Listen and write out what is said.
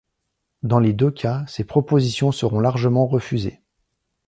Dans les deux cas, ces propositions seront largement refusées.